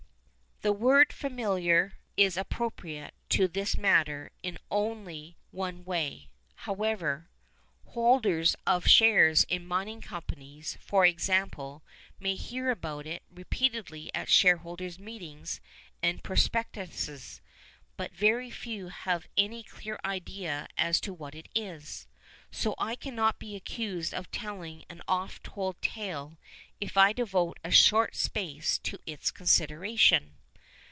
The word familiar is appropriate to this matter in only one way, however. Holders of shares in mining companies, for example, may hear about it repeatedly at shareholders' meetings and in prospectuses, but very few have any clear idea as to what it is. So I cannot be accused of telling an oft told tale if I devote a short space to its consideration.